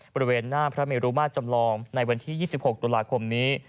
บริเวณหน้าพระเมรุมาตรจำลองในวันที่๒๖ตุลาคมนี้